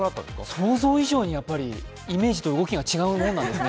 想像以上にイメージと動きが違うものなんですね。